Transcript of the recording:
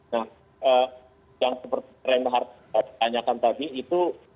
nah yang seperti yang anda tanyakan tadi itu